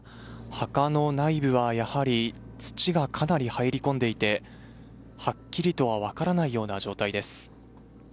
墓の内部は、やはり土がかなり入り込んでいてはっきりとは分からないような状態です。